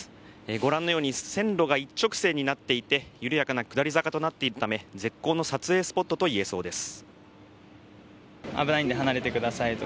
ご覧のように線路が一直線になっていて緩やかな下り坂となっているため絶好の撮影スポットといえそうです。